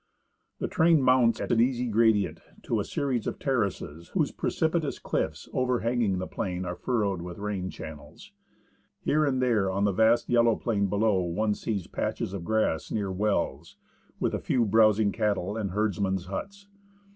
The train mounts, at an easy gradient, to a series of terraces, whose precipitous cliffs overhanging the plain are furrowed with rain channels. Here and there on the vast yellow plain below one sees patches of grass near wells, with a few browsing cattle and herdsmen's huts.